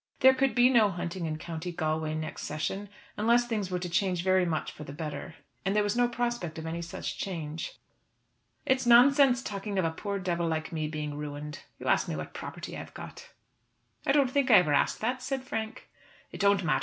There could be no hunting in County Galway next session unless things were to change very much for the better. And there was no prospect of any such change. "It's nonsense talking of a poor devil like me being ruined. You ask me what property I have got." "I don't think I ever asked that," said Frank. "It don't matter.